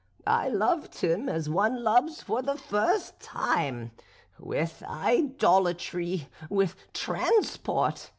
I loved him as one loves for the first time with idolatry, with transport.